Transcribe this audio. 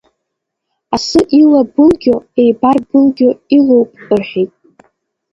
Асы илабылгьо, еибарбылгьо илоуп, рҳәеит!